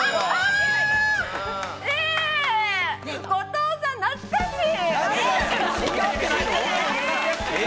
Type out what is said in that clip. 後藤さん懐かしい。